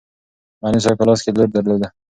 معلم صاحب په لاس کې لور درلود.